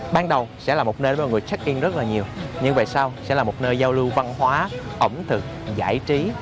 ban đầu sẽ là một nơi mà mọi người check in rất là nhiều nhưng về sau sẽ là một nơi giao lưu văn hóa ẩm thực giải trí